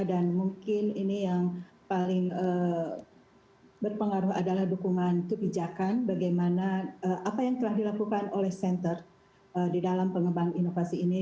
dan mungkin ini yang paling berpengaruh adalah dukungan kebijakan bagaimana apa yang telah dilakukan oleh senter di dalam pengembangan inovasi ini